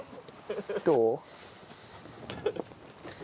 どう？